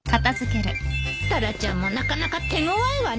タラちゃんもなかなか手ごわいわね。